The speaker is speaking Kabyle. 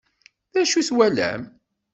D acu i twalam?